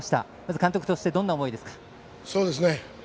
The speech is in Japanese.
監督としてどんな思いですか？